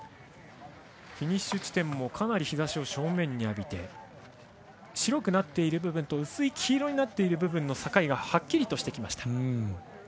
フィニッシュ地点もかなり日ざしを正面に浴びて白くなっている部分と薄い黄色になっている部分の境がはっきりしてきました。